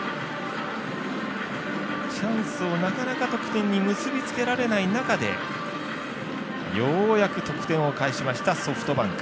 チャンスをなかなか得点に結びつけられない中でようやく得点を返しましたソフトバンク。